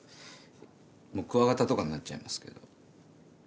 もうクワガタとかになっちゃいますけど。